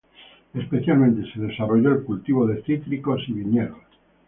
Especialmente se desarrolló el cultivo de cítricos y viñedos.